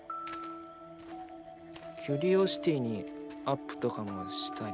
キュリオシティにアップとかもしたり。